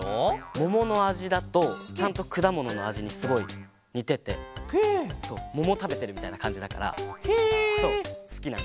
もものあじだとちゃんとくだもののあじにすごいにててももたべてるみたいなかんじだからすきなんだ。